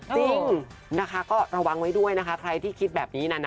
จริงนะคะก็ระวังไว้ด้วยนะคะใครที่คิดแบบนี้นะนะ